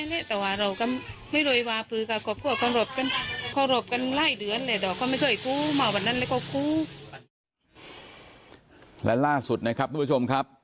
และล่าสุดนะครับทุกผู้ชมครับ